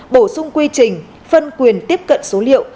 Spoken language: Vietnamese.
bổ sung quy trình phân quyền tiếp cận số liệu